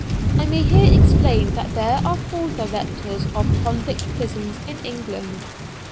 I may here explain that there are four directors of convict prisons in England.